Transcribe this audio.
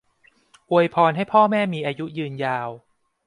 อวยพรให้พ่อแม่มีอายุยืนยาว